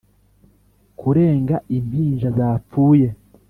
kurenga impinja zapfuye